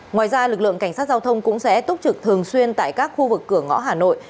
ngoài ra lực lượng cảnh sát giao thông cũng sẽ túc trực thường xuyên tại các khu vực cửa ngõ hà nội